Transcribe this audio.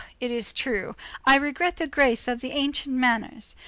it is true, I regret the grace of the ancient manners.